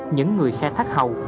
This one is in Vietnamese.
những người khai thác hầu